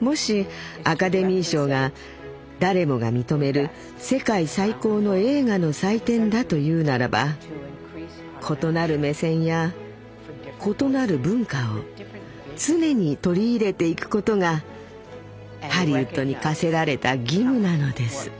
もしアカデミー賞が誰もが認める世界最高の映画の祭典だというならば異なる目線や異なる文化を常に取り入れていくことがハリウッドに課せられた義務なのです。